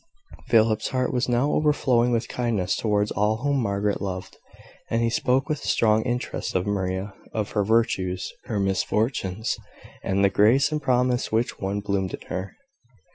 Philip's heart was now overflowing with kindness towards all whom Margaret loved; and he spoke with strong interest of Maria, of her virtues, her misfortunes, and the grace and promise which once bloomed in her.